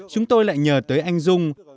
chúng tôi lại nhờ tới anh dung